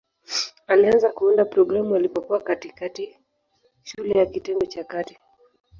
Alianza kuunda programu alipokuwa katikati shule ya kitengo cha kati.